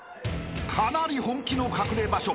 ［かなり本気の隠れ場所。